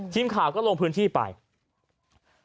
ทีมข่าวก็ลงพื้นที่ไป